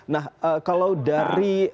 nah kalau dari